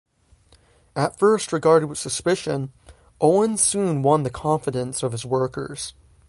At first regarded with suspicion, Owen soon won the confidence of his workers.